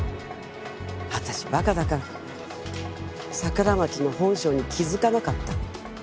私馬鹿だから桜町の本性に気づかなかった。